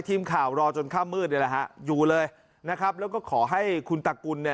ทีมข่าวรอจนข้ามมืดอยู่เลยนะครับแล้วก็ขอให้คุณตากุล